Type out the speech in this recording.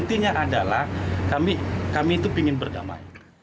intinya adalah kami itu ingin berdamai